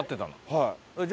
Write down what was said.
はい。